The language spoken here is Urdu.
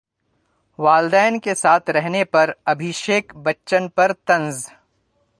والدین کے ساتھ رہنے پر ابھیشیک بچن پر طنز